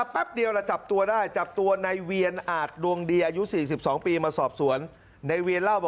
เพราะว่าตอนหนึ่งวันติดแปลงทุกคลิกละทั้งทีเลยเลย